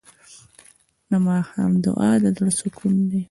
د ماښام دعا د زړه سکون دی.